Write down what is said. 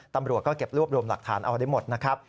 ตำรวจก็เก็บรวบรวมหลักฐานเอาได้หมดนะครับ